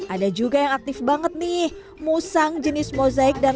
ada juga yang aktif banget nih musang jenis mozaik dan